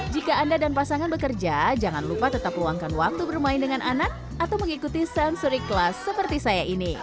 jika anda dan pasangan bekerja jangan lupa tetap luangkan waktu bermain dengan anak atau mengikuti sensory class seperti saya ini